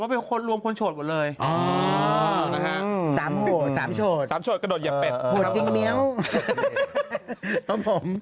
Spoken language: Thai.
๓โหด๓โฉด๓โฉดกระโดดเหยี่ยบเป็ด